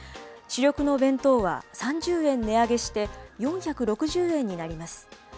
主力の弁当は３０円値上げして４６０円になります。